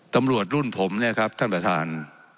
ตำรวจรุ่นผมท่านประธาน